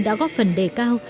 đã góp phần đề cao